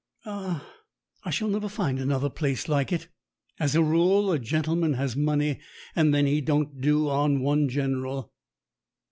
Ah! I shall never find another place like it. As a rule, a gentleman has money, and then he don't do on one general.